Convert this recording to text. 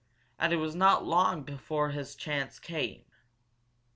And it was not long before his chance came.